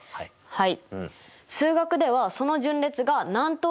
はい。